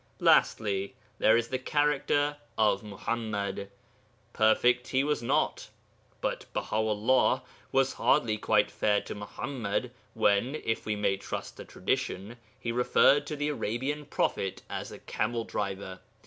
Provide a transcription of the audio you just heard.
Lastly, there is the character of Muḥammad. Perfect he was not, but Baha'ullah was hardly quite fair to Muḥammad when (if we may trust a tradition) he referred to the Arabian prophet as a camel driver.